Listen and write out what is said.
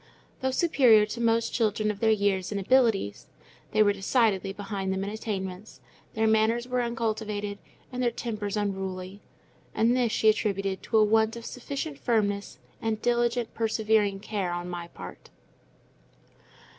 Though superior to most children of their years in abilities, they were decidedly behind them in attainments; their manners were uncultivated, and their tempers unruly. And this she attributed to a want of sufficient firmness, and diligent, persevering care on my part.